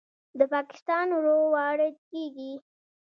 د پاکستان اوړه وارد کیږي.